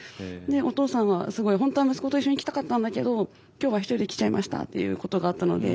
お父さんはすごい本当は息子と一緒に来たかったんだけど今日は一人で来ちゃいましたっていうことがあったので。